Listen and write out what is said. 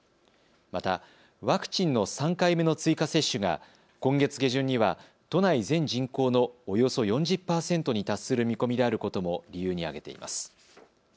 また、ワクチンの３回目の追加接種が今月下旬には都内全人口のおよそ４０％に達する見込みであることも理由に挙げています。